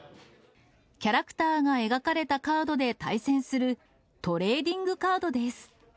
キャラクターが描かれたカードで対戦するトレーディングカードです。